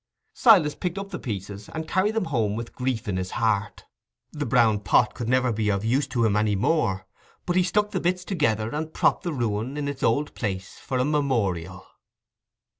Silas picked up the pieces and carried them home with grief in his heart. The brown pot could never be of use to him any more, but he stuck the bits together and propped the ruin in its old place for a memorial.